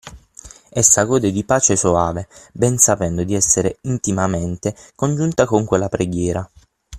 Essa gode di pace soave, ben sapendo di essere intimamente congiunta con quella preghiera;